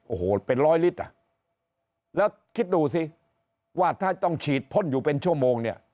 โอ้โหเป็นร้อยลิตรอ่ะแล้วคิดดูสิว่าถ้าต้องฉีดพ่นอยู่เป็นชั่วโมงเนี่ย